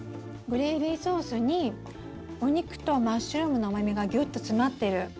グレービーソースにお肉とマッシュルームのうまみがぎゅっと詰まってる。